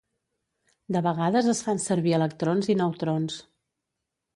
De vegades es fan servir electrons i neutrons.